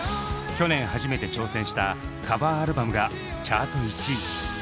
去年初めて挑戦したカバーアルバムがチャート１位。